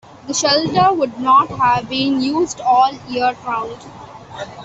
The shelter would not have been used all year round.